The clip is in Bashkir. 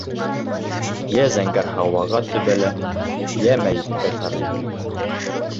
Йә зәңгәр һауаға төбәлә, йә мәйеткә ҡарай.